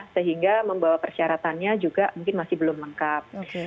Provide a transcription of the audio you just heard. sehingga membawa persyaratannya juga mungkin masih belum lengkap